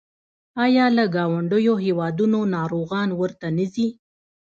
آیا له ګاونډیو هیوادونو ناروغان ورته نه ځي؟